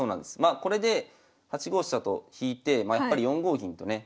これで８五飛車と引いてやっぱり４五銀とね。